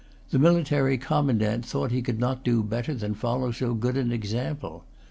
The military commandant thought that he could not do better than follow so good an example.